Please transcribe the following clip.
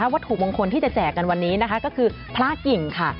วัตถุมงคลที่จะแจกกันวันนี้นะคะก็คือพระกิ่งค่ะ